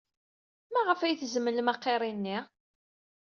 Maɣef ay tzemlem aqirri-nni?